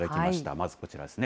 まずこちらですね。